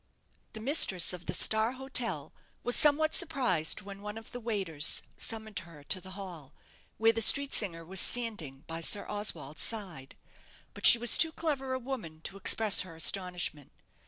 The mistress of the "Star Hotel" was somewhat surprised when one of the waiters summoned her to the hall, where the street singer was standing by Sir Oswald's side; but she was too clever a woman to express her astonishment.